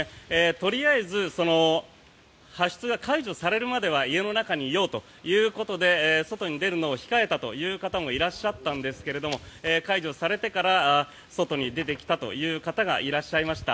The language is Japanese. とりあえず発出が解除されるまでは家の中にいようということで外に出るのを控えたという方もいらっしゃったんですけれども解除されてから外に出てきたという方がいらっしゃいました。